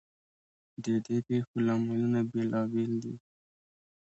ددې پیښو لاملونه بیلابیل دي.